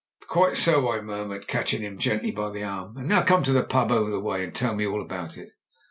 "Quite so," I murmured, catching him gently by the arm. "And now come to the pub. over the way and tell me all about it.